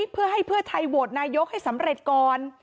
เพื่อให้เพื่อไทยโหวตนายกให้สำเร็จก่อน